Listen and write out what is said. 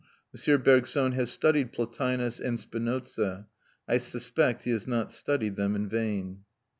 M. Bergson has studied Plotinus and Spinoza; I suspect he has not studied them in vain.